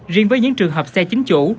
riêng với những trường hợp xe chính chủ